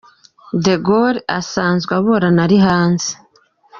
De Gaule asanzwe aburana ari hanze.